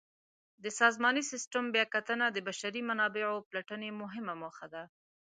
د سازماني سیسټم بیاکتنه د بشري منابعو پلټنې مهمه موخه ده.